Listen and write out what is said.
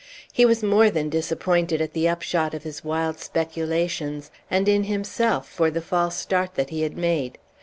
He was more than disappointed at the upshot of his wild speculations, and in himself for the false start that he had made.